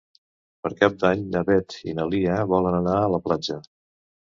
Per Cap d'Any na Beth i na Lia volen anar a la platja.